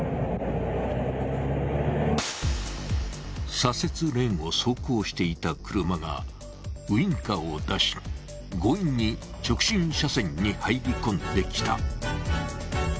左折レーンを走行していた車がウインカーを出し強引に直線車線に入り込んできた。